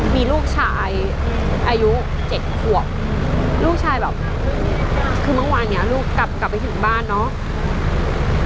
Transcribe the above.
มีลูกชายอายุ๗ควบลูกชายแบบคือบางวันเนี่ยลูกกลับไปถึงบ้านเนาะ